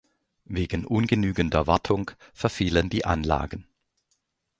Wegen ungenügender Wartung verfielen die Anlagen.